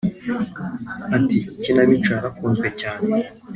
Ati “Ikinamico yarakunzwe cyane